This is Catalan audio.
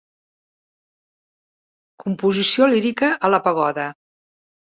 Composició lírica a la pagoda.